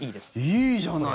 いいじゃない。